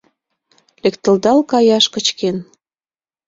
Лектылдал каяш кычкен